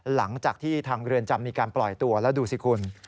หลังจากที่ทางเรือนจำมีการปล่อยตัวแล้วดูสิคุณ